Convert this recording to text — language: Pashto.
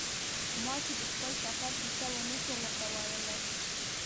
ما چې د خپل سفر کیسه و نه شو ورته ویلای.